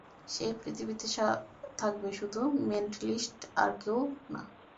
সেই পৃথিবীতে থাকবে শুধু মেন্টলিস্ট আর কেউ না।